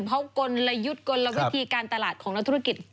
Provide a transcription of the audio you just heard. เพราะกลยุทธ์กลวิธีการตลาดของนักธุรกิจ